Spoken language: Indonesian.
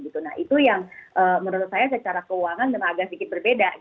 itu yang menurut saya secara keuangan agak sedikit berbeda